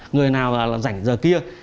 người nào rảnh giờ kia